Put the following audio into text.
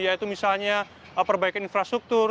yaitu misalnya perbaikan infrastruktur